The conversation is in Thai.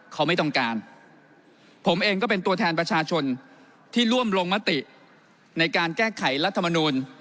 เขาไม่ต้องการผมเองก็เป็นตัวแทนประชาชนที่ร่วมลงมติในการแก้ไขรัฐมนูล